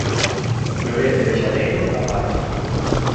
Florece de xaneiro a marzo.